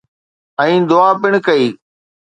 ۽ دعا پڻ ڪئي